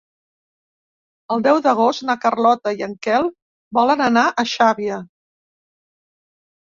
El deu d'agost na Carlota i en Quel volen anar a Xàbia.